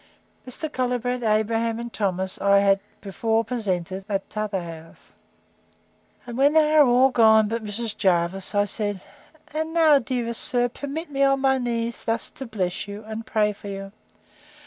Mr. Colbrand, Abraham, and Thomas, I had before presented at t'other house. And when they were all gone but Mrs. Jervis, I said, And now, dearest sir, permit me, on my knees, thus to bless you, and pray for you.